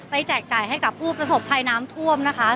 แจกจ่ายให้กับผู้ประสบภัยน้ำท่วมนะคะ